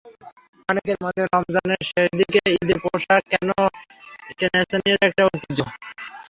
অনেকের মতে, রমজানের শেষ দিকে ঈদের পোশাক কেনা স্থানীয়দের একটা ঐতিহ্য।